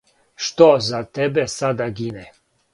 Што за тебе сада гине.